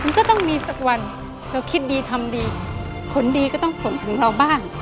ก็ต้องมีสักวันเราคิดดีทำดีผลดีก็ต้องส่งถึงเราบ้าง